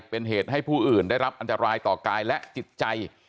เป็นเหตุให้ผู้อื่นได้รับอันตรายต่อกายและจิตใจ